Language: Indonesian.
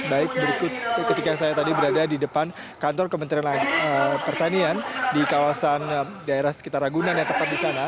baik berikut ketika saya tadi berada di depan kantor kementerian pertanian di kawasan daerah sekitar ragunan yang tepat di sana